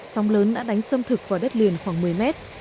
sóng lớn đã đánh xâm thực vào đất liền khoảng một mươi mét